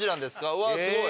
うわすごい。